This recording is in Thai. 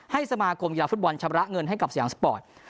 สมาคมกีฬาฟุตบอลชำระเงินให้กับสยามสปอร์ต